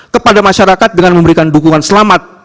kepada masyarakat dengan memberikan dukungan selamat